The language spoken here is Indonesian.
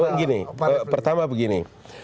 pak republik pertama begini